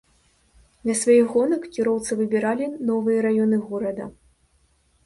Для сваіх гонак кіроўцы выбіралі новыя раёны горада.